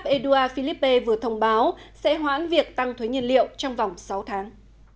edouard philippe vừa thông báo sẽ hoãn việc tăng thuế nhiên liệu trong vòng sáu tháng